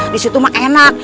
disitu mah enak